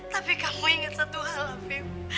tapi kamu ingat satu hal habib